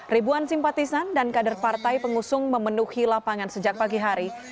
ribuan simpatisan dan kader partai pengusung memenuhi lapangan sejak pagi hari